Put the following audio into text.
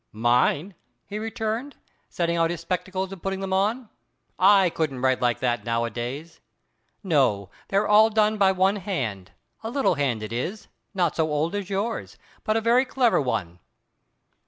"Mine!" he returned, taking out his spectacles and putting them on; "I couldn't write like that nowadays. No, they're all done by one hand; a little hand it is, not so old as yours, but a very clever one."